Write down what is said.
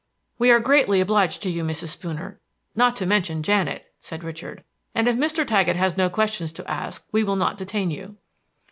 "We are greatly obliged to you, Mrs. Spooner, not to mention Janet," said Richard; "and if Mr. Taggett has no questions to ask we will not detain you."